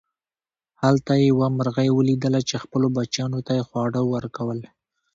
هلته یې یوه مرغۍ وليدله چې خپلو بچیانو ته یې خواړه ورکول.